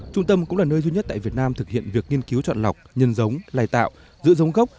trung tâm cũng là nơi duy nhất tại việt nam thực hiện việc nghiên cứu chọn lọc nhân giống lai tạo giữ giống gốc